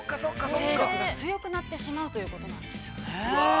強くなってしまうということなんですね。